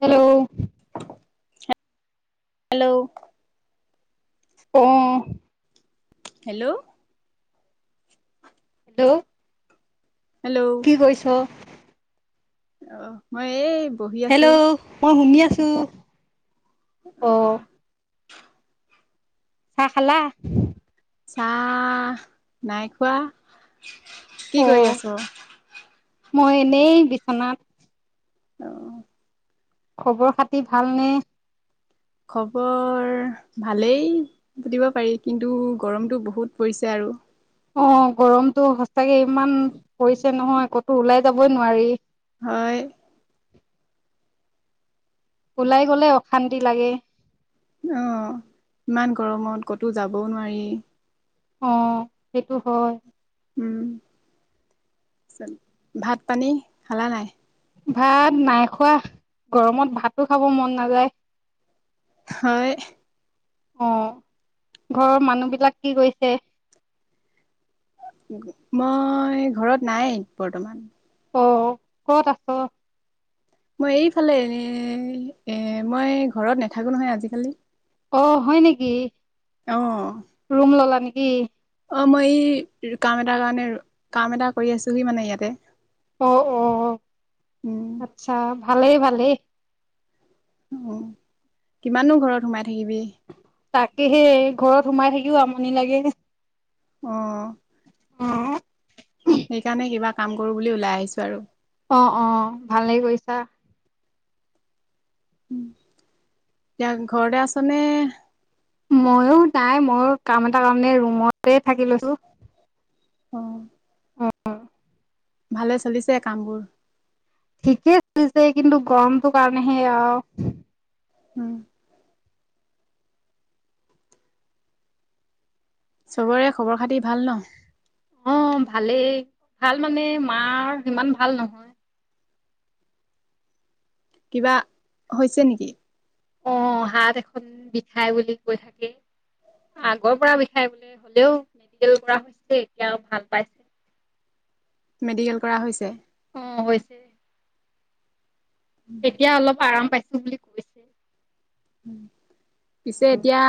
Hello hello, অহ hello hello, hello কি কৈছ? অ মই এই বহি আছো হেল্ল' মই শুনি আছো। অ অহ, চাহ খালা। চাহ নাই খোৱা কি অ কৰি আছ মই এনেই বিচনাত অহ খবৰ খাতি ভালনে? খবৰ ভালেই দিব পাৰি কিন্তু গৰমটো বহুত পৰিছে আৰু অ গৰমটো সচাকে ইমান পৰিছে নহয় ক'তো ওলাই যাবই নোৱাৰি হয়, ওলাই গলে অশান্তি লাগে অহ ইমান গৰমত ক'তো যাবও নোৱাৰি অ সেইটো হয়। উমত ভাত পানী খালা নাই। ভাত নাই খোৱা গৰমত ভাতো খাব মন নাযায়। হয়। আহ ঘৰৰ মানুহ বিলাক কি কৰিছে? মই ঘৰত নাই বৰ্তমান অ ক'ত আছ? মই এইফালে এ এ মই ঘৰত নাথাকো নহয় আজিকালি অ হয় নেকি, অ ৰুম ললা নেকি? অ, মই এই কাম এটাৰ কাৰণে কাম এটা কৰি আছোহি মানে ইয়াতে অ-অ উম আচ্ছা ভালেই ভালেই উম কিমানো ঘৰত সোমাই থা তাকেহে ঘৰত সোমাই থাকিও আমনি লাগে অ', অ, সেইকাৰণে কিবা কাম কৰো বুলি ওলাই আহিছো আৰু অ-অ ভালেই কৰিছা। উম এতিয়া ঘৰতে আছ নে? ময়ো নাই ময়ো কাম এটা কাৰণে ৰুমতে থাকি লৈছোঁ অ', ভালে চলিছে কামবোৰ ঠিকেই চলিছে কিন্তু গৰমটো কাৰণেহে আৰু উম, চবৰে খবৰ খাটি ভাল ন'? অ' ভালেই, ভাল মানে মাৰ সিমান ভাল নহয়। কিবা হৈছে নেকি? অ' হাত এখন বিষাই বুলি কৈ থাকে। আগৰ পৰা বিষাই বোলে হ'লেও মেডিকেল কৰা হৈছে এতিয়া ভাল পাইছে। মেডিকেল কৰা হৈছে? অ' হৈছে। এতিয়া অলপ আৰাম পাইছোঁ বুলি কৈছে। উম, পিছে এতিয়া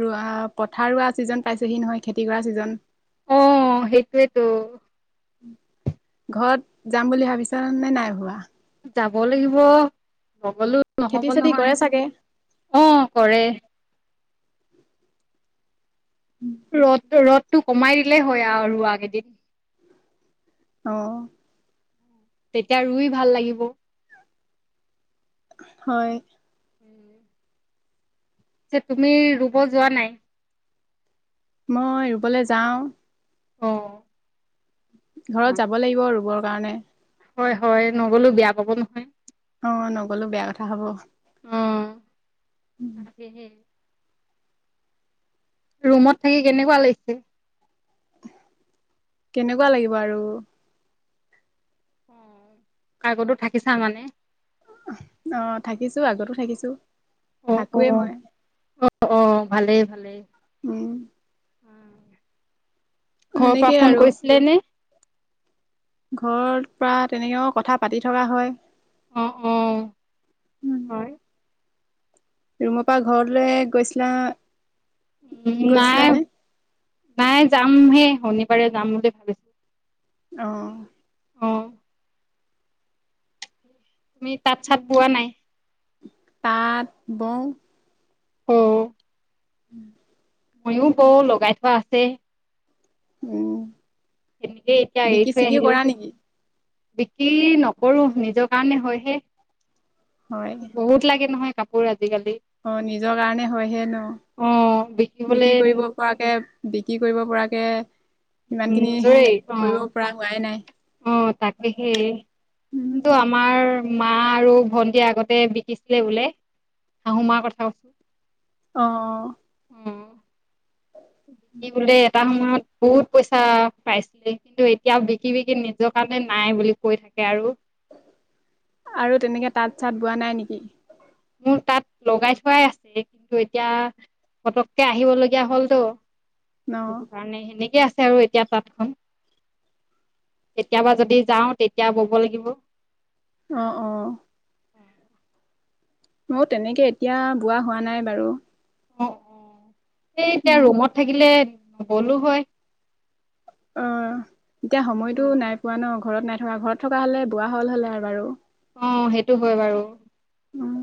ৰোৱা পথাৰ ৰোৱা ছিজন পাইছেহি নহয় খেতি কৰা ছিজন অ' সেইটোৱেটো। ঘৰত যাম বুলি ভাবিছানে নাই ভবা। যাব লাগিব। নগলো নহ'ব খেতি চেতি নহয় কৰে চাগে অ' কৰে। ৰ'দটো-ৰ'দটো কমাই দিলেই হয় আৰু ৰোৱা কেইদিন। অ' তেতিয়া ৰুই ভাল লাগিব। হয়। উম যে তুমি ৰুব যোৱা নাই মই ৰুবলৈ যাও অ ঘৰত যাব লাগিব ৰুবৰ কাৰণে হয় হয় নগলেও বেয়া পাব নহয় অ নগলো বেয়া কথা হব অ' তাকেহে ৰুমত থাকি কেনেকুৱা লাগিছে কেনেকুৱা লাগিব আৰু অ', আগতে থাকিছা মানে? অ', থাকিছোঁ, আগতো থাকিছোঁ, অ' থাকোঁয়েই অ' মই। অ' অ', ভালেই ভালেই উম। ঘৰৰ পৰা সেনেকেই ফোন কৰিছিলে নে? ঘৰত পৰা তেনেকেও, কথা পাতি থকা হয়। অ', অ' হয়। ৰুমৰ পৰা ঘৰলৈ গৈছিলা উম নাই, গৈছিলানে নাই যামহে শনিবাৰে যাম বুলি ভাবিছিলোঁ অ'। অ'। তুমি তাঁত-চাত বোৱা নাই? তাঁত বওঁ। অ'। উম। ময়ো বওঁ, লগাই থোৱা আছে। উম। এনেকে এতিয়া, এৰি বিকি থৈ চিকি আহিলোঁ। কৰা নেকি বিক্ৰী নকৰোঁ, ‌নিজৰ কাৰণে হয়হে, হয় বহুত লাগে নহয় কাপোৰ আজিকালি অ', নিজৰ কাৰণে হয় হে ন', অঁ বিক্ৰী বিকিবলৈ কৰিব পৰাকে বিক্ৰী কৰিব পৰাকে উম, সিমানখিনি জৈ, কৰিব অ', পৰা হোৱাই নাই অ' তাকে সেই উম কিন্ত আমাৰ মা আৰু ভন্টি আগতে বিকিছিলে বোলে শাহু মাৰ কথা অ'। অঁ বোলে এটা সময়ত বহুত পইচা পাইছিলে কিন্তু এতিয়া বিকি বিকি নিজৰ কাৰণে নাই বুলি কৈ থাকে আৰু। আৰু তেনেকে তাঁত-চাত বোৱা নাই নেকি? মোৰ তাঁত লগাই থোৱাই আছে কিন্তু এতিয়া পতককে আহিবলগীয়া হলতো, অ সেইকাৰণে সেনেকে আছে। আৰু এতিয়া তাঁতখন। কেতিয়াবা যদি যাওঁ তেতিয়া বব লাগিব। অ' অ'। অ মও তেনেকে, এতিয়া বোৱা হোৱা নাই বাৰু। অ' অ', এই এতিয়া উম ৰুমত থাকিলে গ'লো হয়। অ' এতিয়া সময়তো নাই পোৱা ন? ঘৰত নাই থকা, ঘৰত থকা হ'লে বোৱা হ'ল হ'লে আৰু বাৰু। অ' সেইটো হয় বাৰু। উম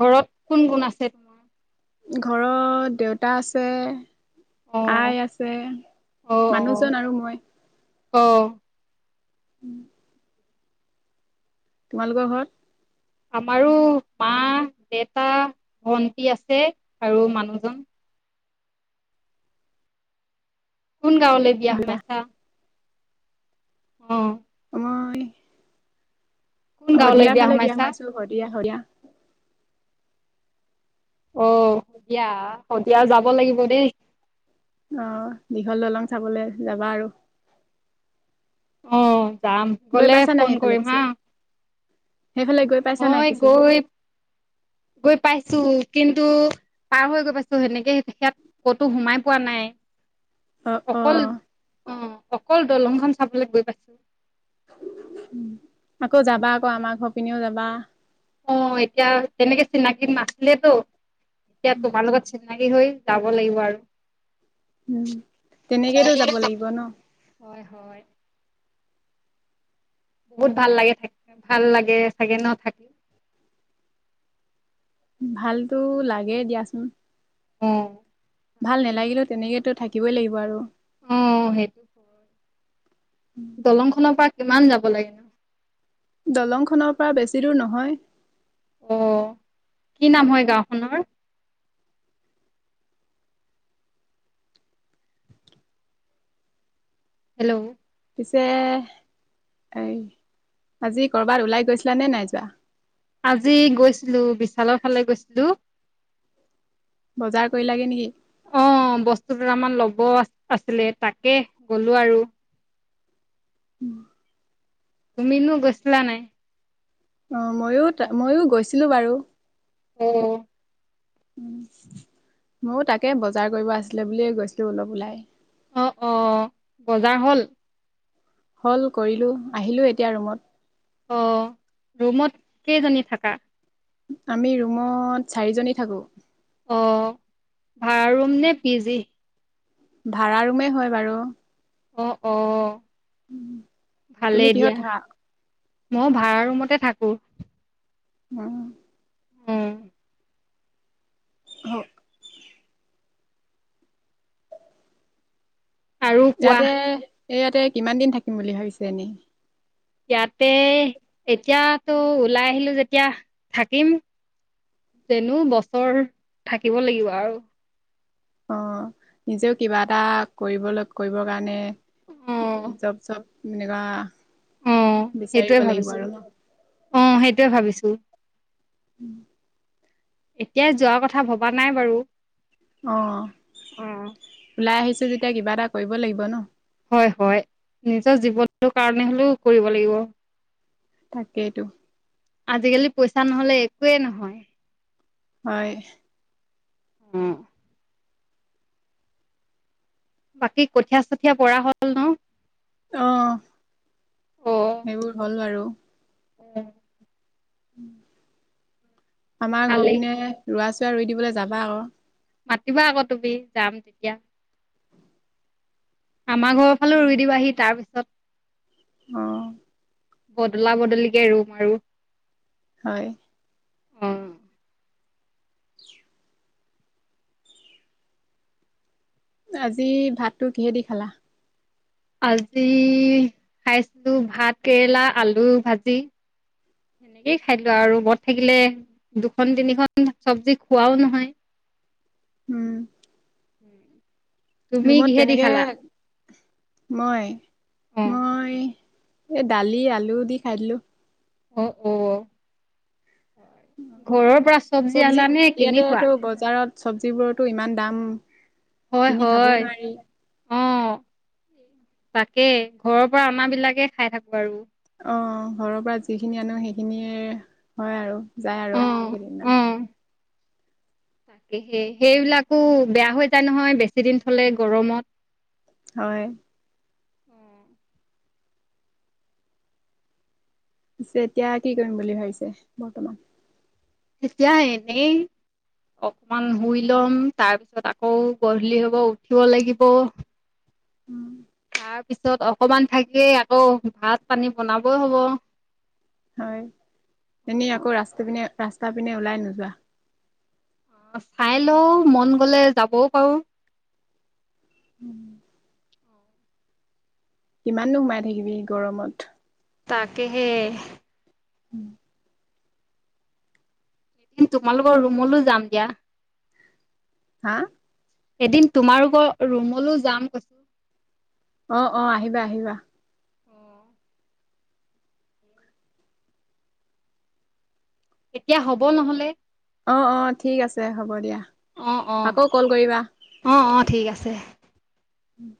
ঘৰত কোন গুণ আছে? ঘৰত দেউতা আছে অ আই আছে, অ মানুহজন আৰু মই। অ'। [inaudible] তোমালোকৰ ঘৰত? আমাৰো মা, দেতা, ভন্টি আছে আৰু মানুহজন। কোন গাঁৱলৈ বিয়া দিয়া সোমাইছা? অ'। মই কোন গাঁৱলৈ শদিয়াফালে বিয়া সোমাইছা সোমাইছো শদিয়া, শদিয়া। অ', শদিয়া, শদিয়া যাব লাগিব দেই। আহ দীঘল দলং চাবলে যাবা আৰু। অ' যাম গৈ গলে পাইছা নাই ফোন সেইফালে কৰিম পিছে হা। সেইফালে গৈ পাইছা নাই মই পিছে গৈ গৈ পাইছো। কিন্তু পাৰ হৈ গৈ পাইছো সেনেকে হিয়াত ক'তো সোমাই পোৱা নাই। অ' অকল অ' অ অকল দলংখন চাবলে গৈ পাইছো। আকৌ যাবা আকৌ আমাৰ ঘৰ পিনিও যাবা। অ' এতিয়া তেনেকে চিনাকি নাছিলেতো এতিয়া অ তোমাৰ লগত চিনা চিনাকি হৈ যাব লাগিব আৰু। উম, তেনেকেইতো যাব লাগিব ন? হয় হয়। বহুত ভাল লাগে থাক ভাল লাগে চাগে ন' থাক ভালতো লাগে দিয়াচোন। অ', ভাল নেলাগিলেও তেনেকেইতো থাকিবই লাগিব আৰু। অ, সেই দলং খনৰ পা কিমান যাব লাগে? দলংখনৰ পা বেছি দূৰ নহয়। অ, কি নাম হয় গাওখনৰ? হেল্ল', পিছে [unintelligible] আজি কৰ'বাত ওলাই গৈছিলানে নাই যোৱা? আজি গৈছিলো বিছালৰ ফালে গৈছিলো। বজাৰ কৰিলাগে নেকি অ, বস্তু দুটামান ল'ব ল'ব আছিলে তাকে গলো আৰু। উম, তুমি নো গৈছিলা নাই? অ, ময়ো তা ময়ো গৈছিলো বাৰু। অ', উম, ময়ো তাকে বজাৰ কৰিব আছিলে বুলিয়ে গৈছিলো অলপ ওলাই। অ', অ', বজাৰ হ'ল? হ'ল কৰিলো আহিলো এতিয়া ৰুমত। অ, ৰুমত কেইজনী থাকা? আমি ৰুমত চাৰিজনী থাকো। অ ভাড়া ৰুম নে পি জি,, ভাড়া ৰুমেই হয় বাৰু। অ অ। উ তুমি কিহত থা মৌ ভাড়া ৰুমতে থাকো। অহ অ হ [unintelligible] [unintelligible] আৰু কোৱা ইয়াতে এ ইয়াতে কিমান দিন থাকিম বুলি ভাবিছে এনে ইয়াতে এতিয়াতো ওলাই আহিলো যেতিয়া থাকিম। যেনো বছৰ থাকিব লাগিব আৰু,, অ নিজেও কিবা এটা কৰিবলৈ কৰিবৰ কাৰণে অ জব চব এনেকুৱা অহ বিচাৰিব সেইটোৱে লাগিব ভাবিছো আৰু ন। অ সেইটোৱে ভাবিছো। উম এতিয়াই যোৱা কথা ভবা নাই বাৰু অ অ ওলাই আহিছো যেতিয়া কিবা এটা কৰিব লাগিব ন? হয় হয় নিজৰ জীৱনটো কাৰণে হলেও কৰিব লাগিব। তাকেইটো আজিকালি পইচা নহলে একোৱেই নহয় হয় [unintelligible] বাকী কঠীয়া চঠীয়া পৰা হ'ল ন অহ, সেইবোৰ হ'ল বাৰু উম, আমাৰ ঘৰ ভালেই পিনে ৰোৱা চোৱা ৰুই দিবলৈ যাবা আকৌ মাতিবা আকৌ তুমি যাম তেতিয়া আমাৰ ঘৰৰ ফালে ৰুই দিব আহি তাৰ পিছত অহ, বদলা বদলিকে ৰুম আৰু হয় অহ, [unintelligible] আজি ভাতটো কিহেদি খালা আজি খাইছিলো ভাত কেৰেলা আলু ভাজি [unintelligible] একেই খাই লো আৰু বৰ থাকিলে দুখন তিনিখন চবজি খোৱাও নহয় উম, উম। ৰুমত তেনেকে মই, অ মই এ, দালি আলু দি খাই দিলো অ', অ', ঘৰৰ পৰা চব্জি আলা নে কিনি ইয়াতে খোৱা হয়টো বজাৰত চব্জিবোৰতো ইমান দাম হয়, কিনি খাবই হয়, নোৱাৰি অহ তাকে ঘৰৰ পৰা আমাৰ বিলাকে খাই থাকো আৰু অ', ঘৰৰ পৰা যিখিনি আনো সেইখিনিয়ে হয় আৰু যায় আৰু অ সেইদিনা [unintelligible] তাকেহে, সেইবিলাকো বেয়া হৈ যায় নহয় বেছি দিন থলে গৰমত হয় পিছে, এতিয়া কি কৰিম বুলি ভাবিছে বৰ্তমান এতিয়া এনে ই অকমান শুই লম, তাৰ পিছত আকৌ গধূলি হ'ব উঠিব লাগিব উম, তাৰ পিছত অকমান থাকিয়েই আকৌ ভাত পানী বনাবই হ'ব হয়, এনেই অ', আকৌ ৰাস্তা পিনে, ৰাস্তা পিনে ওলাই নোযোৱা অ', চাই লও মন গলে যাবও পাৰো উম। কিমাননো সোমাই থাকিবি গৰমত তাকেহে [inaudible] এদিন তোমালোকৰ ৰুমলৈ যাম দিয়া হা এদিন তোমালোকৰ ৰুমলৈ যাম কৈছো অ', অ', আহিবা আহিবা অ', এতিয়া হ'ব নহলে অ', অ', ঠিক আছে হ'ব দিয়া। অ - অ- আকৌ কল কৰিবা। অ - অ ঠিক আছে। উম,